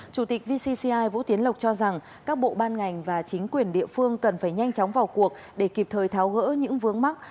chủ tịch vcci vũ tiến lộc cho rằng các bộ ban ngành và chính quyền địa phương cần phải nhanh chóng vào cuộc để kịp thời tháo gỡ những vướng mắt